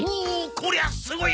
こりゃすごい！